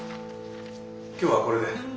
今日はこれで。